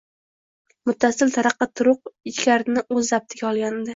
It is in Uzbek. Muttasil taraqa-turuq ichkarini o’z zabtiga olgandi.